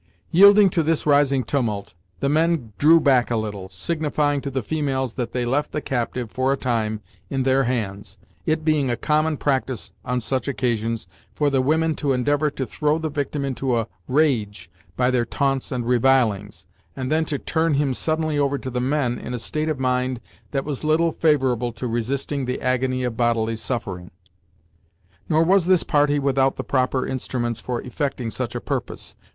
Yielding to this rising tumult, the men drew back a little, signifying to the females that they left the captive, for a time, in their hands, it being a common practice on such occasions for the women to endeavor to throw the victim into a rage by their taunts and revilings, and then to turn him suddenly over to the men in a state of mind that was little favorable to resisting the agony of bodily suffering. Nor was this party without the proper instruments for effecting such a purpose.